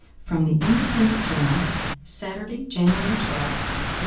From The Independent Journal. Saturday, January 12, 1788.